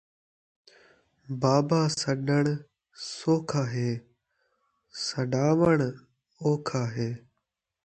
بابا سݙݨ سوکھا ہے، سݙاوݨ اوکھا ہے